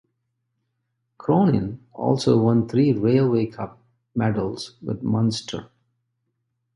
Cronin also won three Railway Cup medals with Munster.